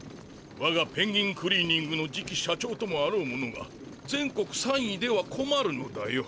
わがペンギンクリーニングの次期社長ともあろう者が全国３位ではこまるのだよ。